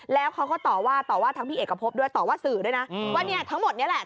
แล้วเขาก็ต่อว่าต่อว่าทั้งพี่เอกพบด้วยต่อว่าสื่อด้วยนะว่าเนี่ยทั้งหมดนี้แหละ